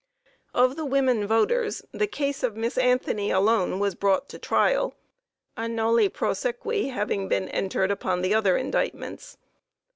Of the women voters, the case of Miss ANTHONY alone was brought to trial, a nolle prosequi having been entered upon the other indictments.